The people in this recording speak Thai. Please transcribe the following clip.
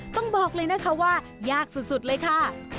ต้องบอกเลยนะคะว่ายากสุดเลยค่ะ